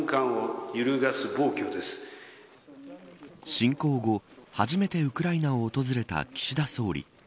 侵攻後、初めてウクライナを訪れた岸田総理。